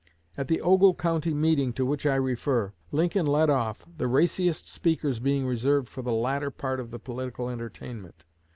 At the Ogle County meeting to which I refer, Lincoln led off, the raciest speakers being reserved for the latter part of the political entertainment.